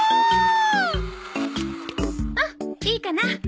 あっいいかな。